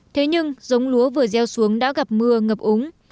thế nhưng giống lúa vừa gieo xuống đã gặp mưa ngập úng